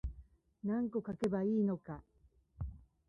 何個書けばいいのか